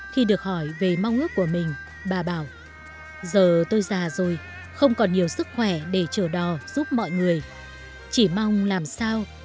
thầy em không học đâu